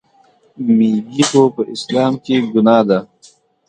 میږي خو په اسلام کې ګناه ده.